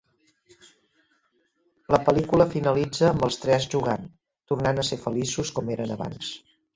La pel·lícula finalitza amb els tres jugant, tornant a ser feliços com eren abans.